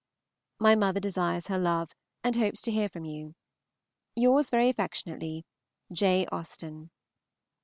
My mother desires her love, and hopes to hear from you. Yours very affectionately, J. AUSTEN.